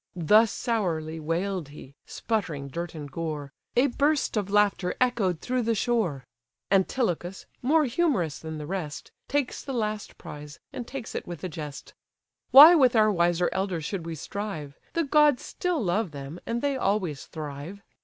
Thus sourly wail'd he, sputtering dirt and gore; A burst of laughter echoed through the shore. Antilochus, more humorous than the rest, Takes the last prize, and takes it with a jest: "Why with our wiser elders should we strive? The gods still love them, and they always thrive.